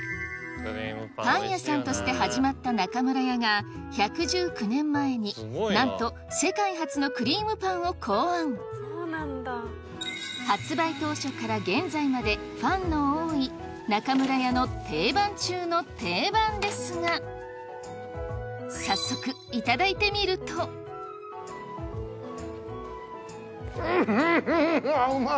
パン屋さんとして始まった中村屋が１１９年前になんと世界初の発売当初から現在までファンの多い中村屋の定番中の定番ですが早速いただいてみるとうんあぁうまい！